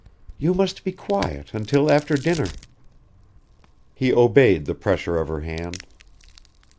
"You must be quiet, until after dinner." He obeyed the pressure of her hand.